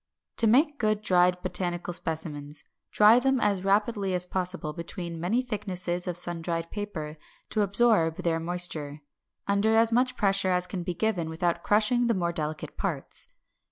To make good dried botanical specimens, dry them as rapidly as possible between many thicknesses of sun dried paper to absorb their moisture, under as much pressure as can be given without crushing the more delicate parts.